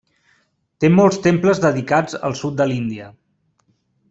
Té molts temples dedicats al sud de l'Índia.